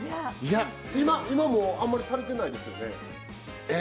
今はあんまりされてないですよね？